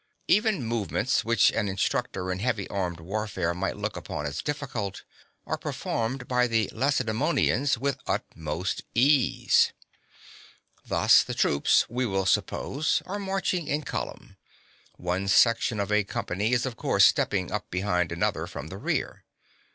Even movements which an instructor in heavy armed warfare (14) might look upon as difficult are performed by the Lacedaemonians with the utmost ease. (15) Thus, the troops, we will suppose, are marching in column; one section of a company is of course stepping up behind another from the rear.